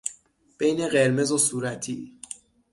بین قرمز و صورتی